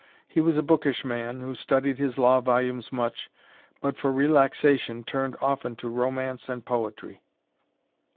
He was a bookish man, who studied his law volumes much, but for relaxation turned often to romance and poetry.